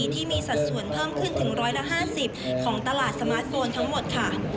ที่มีสัดส่วนเพิ่มขึ้นถึง๑๕๐ของตลาดสมาร์ทโฟนทั้งหมดค่ะ